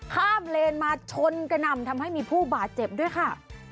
เลนมาชนกระหน่ำทำให้มีผู้บาดเจ็บด้วยค่ะ